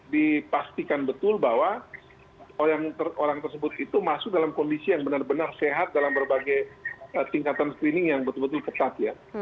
dipastikan betul bahwa orang tersebut itu masuk dalam kondisi yang benar benar sehat dalam berbagai tingkatan screening yang betul betul ketat ya